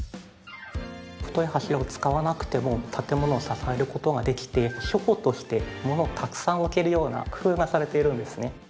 太い柱を使わなくても建物を支える事ができて書庫として物をたくさん置けるような工夫がされているんですね。